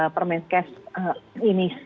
permainan kes ini